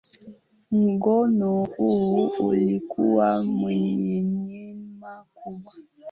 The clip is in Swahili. Muungano huo ulikuwa wenye neema kubwa